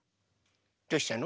どうしたの？